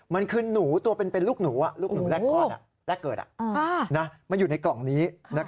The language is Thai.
มันคือหนูตัวเป็นลูกหนูลูกหนูแรกคลอดแรกเกิดมาอยู่ในกล่องนี้